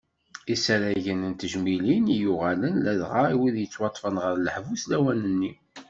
Isaragen d tejmilin i yuɣalen ladɣa i wid yettwaṭṭfen ɣer leḥbus lawan-nni.